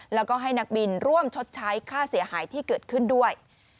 แล้วก็ให้นักบินร่วมชดใช้ค่าเสียหายที่เกิดขึ้นด้วย